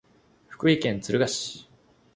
福井県敦賀市